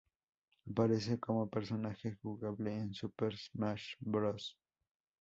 Aparece como personaje jugable en Super Smash Bros.